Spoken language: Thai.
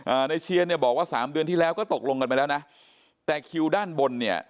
ในเชียนเนี่ยบอกว่าสามเดือนที่แล้วก็ตกลงกันไปแล้วนะแต่คิวด้านบนเนี่ย